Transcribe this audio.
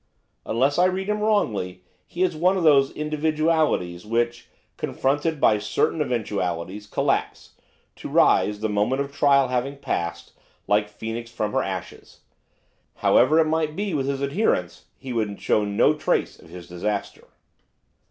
Unless I read him wrongly his is one of those individualities which, confronted by certain eventualities, collapse, to rise, the moment of trial having passed, like Phoenix from her ashes. However it might be with his adherents, he would show no trace of his disaster.